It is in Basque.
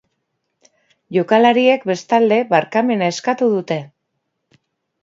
Jokalariek, bestalde, barkamena eskatu dute.